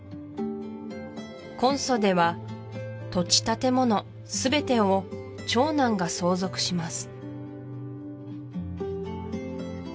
コンソでは土地建物全てを長男が相続します